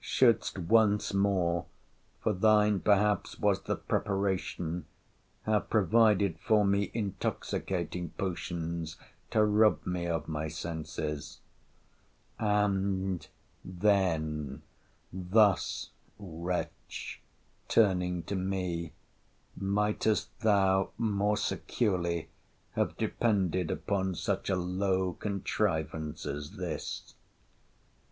shouldst once more (for thine perhaps was the preparation) have provided for me intoxicating potions, to rob me of my senses—— 'And then, thus, wretch, [turning to me,] mightest thou more securely have depended upon such a low contrivance as this!